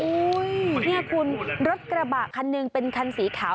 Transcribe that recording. เนี่ยคุณรถกระบะคันหนึ่งเป็นคันสีขาว